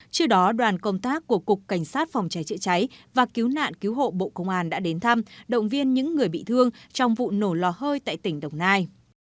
trước đó đoàn công tác của cục cảnh sát phòng cháy chữa cháy và cứu nạn cứu hộ bộ công an đã đến thăm động viên những người bị thương trong vụ nổ lò hơi tại tỉnh đồng nai